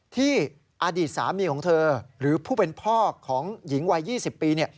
ที่อดีตสามีของเธอหรือผู้เป็นพ่อของหญิงวัย๒๐ปี